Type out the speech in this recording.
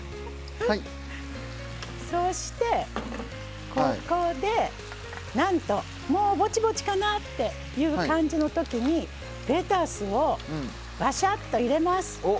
そして、ここで、なんともうぼちぼちかなっていう感じのときにレタスをばしゃって入れます。